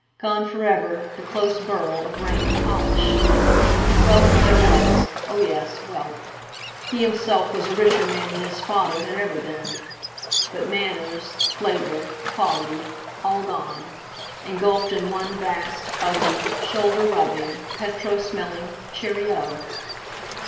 Gone forever, the close borough of rank and polish! Wealth there was—oh, yes! wealth—he himself was a richer man than his father had ever been; but manners, flavour, quality, all gone, engulfed in one vast, ugly, shoulder rubbing, petrol smelling Cheerio.